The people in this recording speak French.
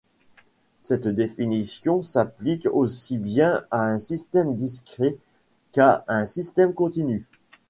Cette définition s'applique aussi bien à un système discret qu'à un système continu.